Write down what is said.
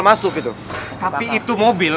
masuk gitu tapi itu mobil